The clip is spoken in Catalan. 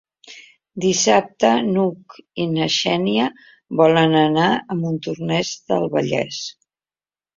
Dissabte n'Hug i na Xènia volen anar a Montornès del Vallès.